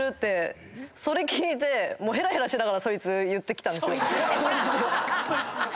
それ聞いてへらへらしながらそいつ言ってきたんですよ。